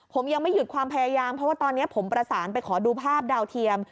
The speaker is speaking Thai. ผมยังไม่หยุดความพยายามเพราะว่าตอนนี้ผมประสานไปขอดูภาพดาวเทียม